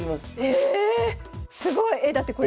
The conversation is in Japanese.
え⁉すごい！えだってこれ。